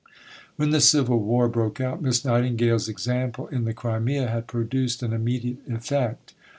When the Civil War broke out, Miss Nightingale's example in the Crimea had produced an immediate effect.